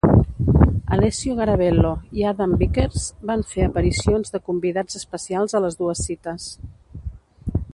Alessio Garavello i Adam Bickers van fer aparicions de convidats especials a les dues cites.